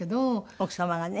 奥様がね。